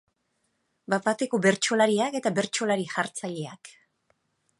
Bat-bateko bertsolariak eta bertsolari jartzaileak.